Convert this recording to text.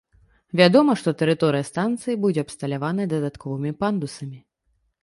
Вядома, што тэрыторыя станцыі будзе абсталяваная дадатковымі пандусамі.